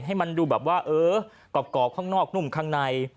ให้มันดูแบบว่าเออกรอบข้างนอกนุ่มข้างใน